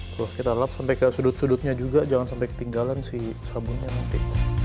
tuh kita lap sampai ke sudut sudutnya juga jangan sampai ketinggalan si sabunnya nanti